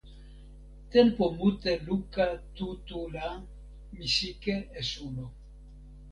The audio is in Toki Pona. tenpo mute luka tu tu la mi sike e suno.